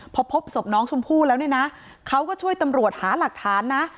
พอพบศพน้องชมพู่แล้วเนี่ยนะเขาก็ช่วยตำรวจหาหลักฐานนะ